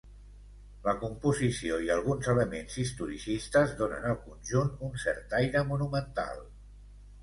La composició i alguns elements historicistes donen al conjunt un cert aire monumental.